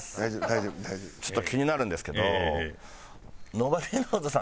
ちょっと気になるんですけど